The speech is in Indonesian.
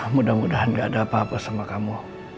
mudah mudahan gak ada apa apa sama kamu